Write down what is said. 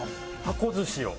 箱寿司を。